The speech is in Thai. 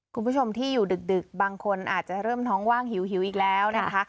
คุณผู้ชมที่อยู่ดึกบางคนอาจจะเริ่มท้องว่างหิวอีกแล้วนะคะ